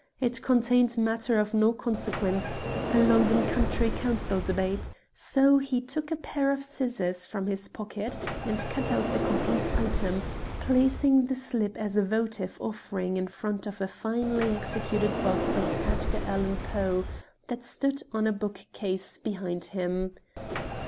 It contained matter of no consequence a London County Council debate so he took a pair of scissors from his pocket and cut out the complete item, placing the slip as a votive offering in front of a finely executed bust of Edgar Allen Poe, that stood on a bookcase behind him.